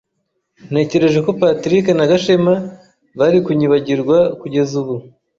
Natekereje ko Patrick na Gashema bari kunyibagirwa kugeza ubu.